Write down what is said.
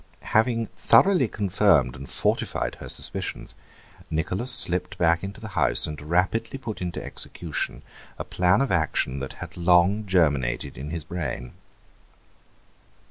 Having thoroughly confirmed and fortified her suspicions Nicholas slipped back into the house and rapidly put into execution a plan of action that had long germinated in his brain.